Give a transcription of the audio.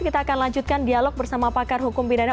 kita akan lanjutkan dialog bersama pakar hukum pidana